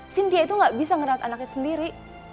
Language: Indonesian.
sintia itu gak bisa ngerawat anaknya sendiri